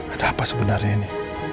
ada apa sebenarnya ini